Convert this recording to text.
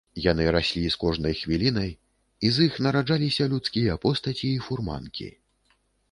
Яны раслі з кожнай хвілінай, і з іх нараджаліся людскія постаці і фурманкі.